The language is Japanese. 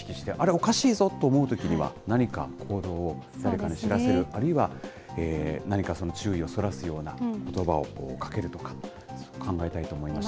おかしいぞと思うときには、何か行動を誰かに知らせる、あるいは何か注意をそらすようなことばをかけるとか、考えたいと思いました。